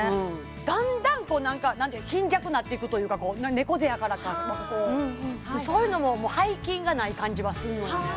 だんだん何か貧弱なっていくというか猫背やからかこうそういうのももう背筋がない感じはすんのよね